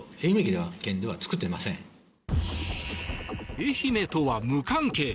愛媛とは無関係。